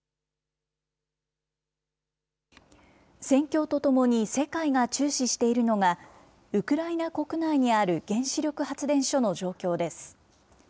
戦況とともに、世界が注視しているのが、ウクライナ国内にある原子力発電所の状況です。